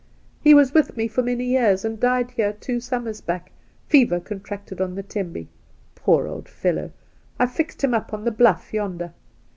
He was with me for many years, and died here two summers back — fever contracted on the Tembe. Poor old fellow I I fixed him up on the bluff yonder.